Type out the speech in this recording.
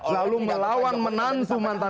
lalu melawan menan su mantan